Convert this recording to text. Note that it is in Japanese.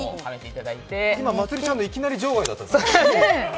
今、まつりちゃんのはいきなり場外でしたね。